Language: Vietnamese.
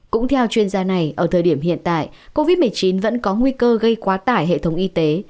cũng theo chuyên gia này ở thời điểm hiện tại covid một mươi chín vẫn có nguy cơ gây quá tải hệ thống y tế